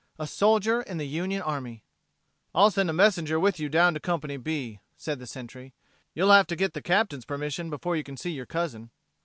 A soldier in the Union army! "I'll send a messenger with you down to Company B," said the Sentry. "You'll have to get the Captain's permission before you can see your cousin."